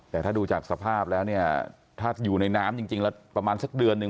แต่ถ้าดูจากสภาพแล้วเนี่ยถ้าอยู่ในน้ำจริงแล้วประมาณสักเดือนหนึ่ง